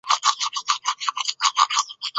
西南交通大学教授。